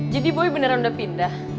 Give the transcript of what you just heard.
jadi boy beneran udah pindah